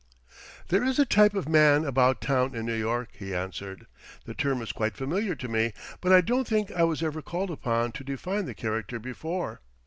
"There is a type of 'Man About Town' in New York," he answered. "The term is quite familiar to me, but I don't think I was ever called upon to define the character before.